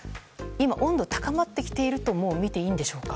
今、温度が高まってきているとみていいでしょうか。